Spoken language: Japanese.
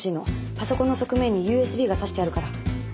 パソコンの側面にＵＳＢが差してあるから。